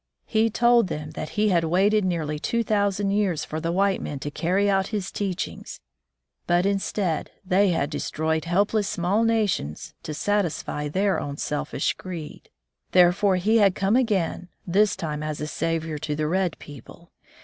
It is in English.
He told them that He had waited nearly two thousand years for the white men to carry out His teachings, but instead they had destroyed helpless small nations to satisfy their own selfish greed. Therefore He had come again, this time as a Savior to the red people.